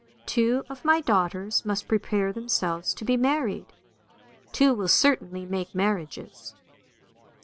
Two of my daughters must prepare themselves to be married — two will certainly make marriages.